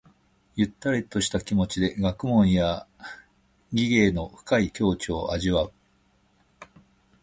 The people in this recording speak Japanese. ゆったりとした気持ちで学問や技芸の深い境地を味わう。